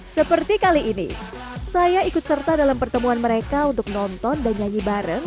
seperti kali ini saya ikut serta dalam pertemuan mereka untuk nonton dan nyanyi bareng